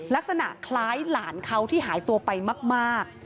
ลักษณะคล้ายหลานเขาที่หายตัวไปมาก